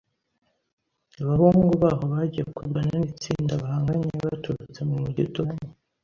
Abahungu baho bagiye kurwana nitsinda bahanganye baturutse mumujyi uturanye.